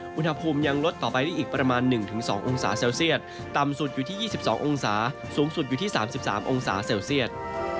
อุณหภูมิยังลดต่อไปได้อีกประมาณ๑๒องศาเซลเซียตต่ำสุดอยู่ที่๒๒องศาสูงสุดอยู่ที่๓๓องศาเซลเซียต